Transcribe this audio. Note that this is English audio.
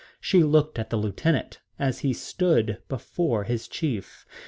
She looked at the lieutenant as he stood before his chief.